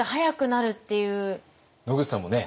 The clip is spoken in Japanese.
野口さんもね